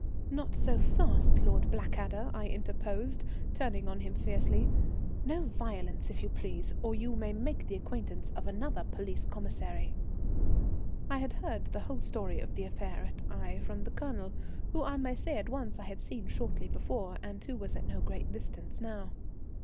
"Not so fast, Lord Blackadder," I interposed, turning on him fiercely. "No violence, if you please, or you may make the acquaintance of another police commissary." I had heard the whole story of the affair at Aix from the Colonel, who I may say at once I had seen shortly before, and who was at no great distance now.